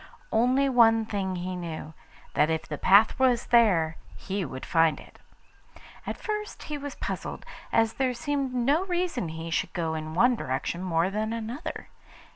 Only one thing he knew, that if the path was there, he would find it. At first he was puzzled, as there seemed no reason he should go in one direction more than another.